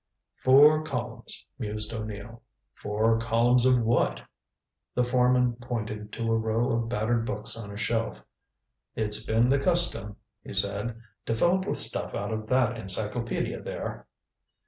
"Four columns," mused O'Neill. "Four columns of what?" The foreman pointed to a row of battered books on a shelf. "It's been the custom," he said, "to fill up with stuff out of that encyclopedia there."